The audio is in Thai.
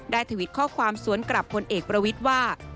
ด้วยสุดข้อความสวนกลับผลเอกประวิติว่า